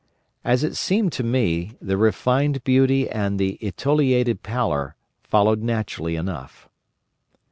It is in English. As it seemed to me, the refined beauty and the etiolated pallor followed naturally enough.